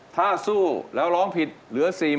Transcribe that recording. ถ้าสู้แล้วร้องผิดเหลือ๔๐๐๐